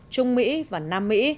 trung mỹ và nam mỹ